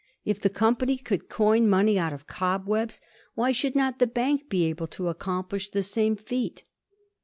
If the company could coin money out of cobwebs, why should not the Bank be able to accomplish the same feat